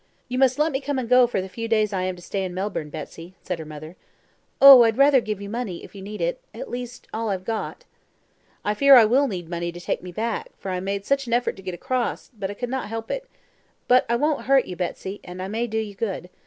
"You must let me come and go for the few days I am to stay in Melbourne, Betsy," said her mother. "Oh, I'd rather give you money, if you need it at least, all I've got." "I fear I will need money to take me back, for I made such an effort to get across, but I could not help it. But I won't hurt you, Betsy, and I may do you good.